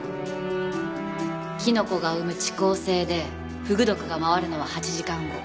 キノコが生む遅効性でフグ毒が回るのは８時間後。